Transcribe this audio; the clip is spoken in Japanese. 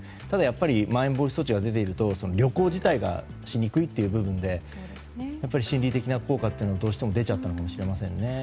ただやっぱり、まん延防止措置が出ていると旅行自体がしにくいという部分でやっぱり心理的な効果というのが出たのかもしれませんね。